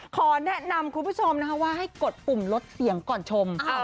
ขอแนะนำคุณผู้ชมนะคะว่าให้กดปุ่มลดเสียงก่อนชม